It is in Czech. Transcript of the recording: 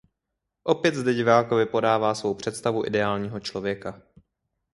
Opět zde divákovi podává svou představu ideálního člověka.